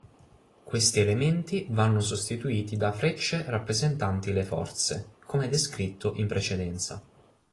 Questi elementi vanno sostituiti da frecce rappresentanti le forze, come descritto in precedenza.